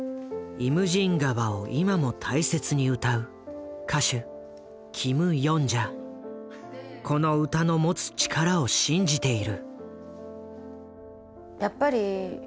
「イムジン河」を今も大切に歌うこの歌の持つ力を信じている。